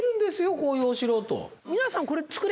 こういうお城をと。